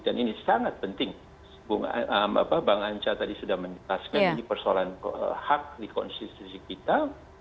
dan ini sangat penting bang anca tadi sudah menjelaskan persoalan hak di konsistensi kita